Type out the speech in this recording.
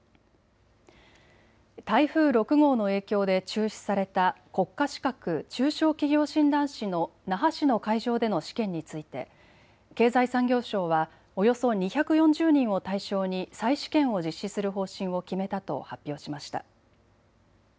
台風６号の影響で中止された国家資格、中小企業診断士の那覇市の会場での試験について経済産業省はおよそ２４０人を対象に再試験を実施する方針を決めたと発表しました。